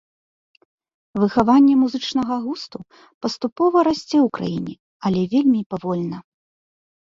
Выхаванне музычнага густу паступова расце ў краіне, але вельмі павольна.